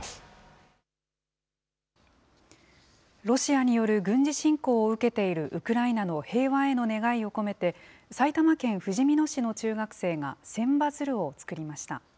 ロシアによる軍事侵攻を受けているウクライナの平和への願いを込めて、埼玉県ふじみ野市の中学生が千羽鶴を作りました。